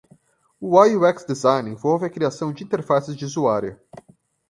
UI/UX Design envolve a criação de interfaces de usuário.